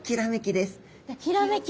きらめき。